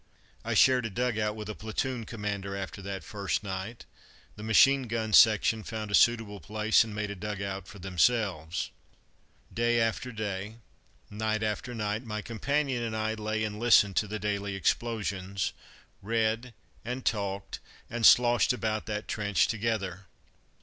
I shared a dug out with a platoon commander after that first night. The machine gun section found a suitable place and made a dug out for themselves. Day after day, night after night, my companion and I lay and listened to the daily explosions, read, and talked, and sloshed about that trench together.